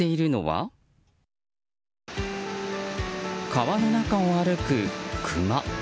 川の中を歩くクマ。